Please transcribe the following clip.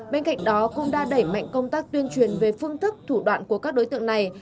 bên cạnh đó cũng đã đẩy mạnh công tác tuyên truyền về phương thức thủ đoạn của các đối tượng này